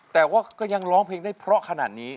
แต่ว่าก็ยังร้องเพลงได้เพราะขนาดนี้